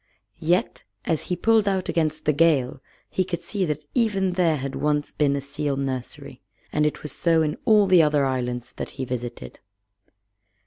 Yet as he pulled out against the gale he could see that even there had once been a seal nursery. And it was so in all the other islands that he visited.